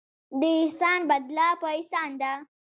د احسان بدله په احسان ده.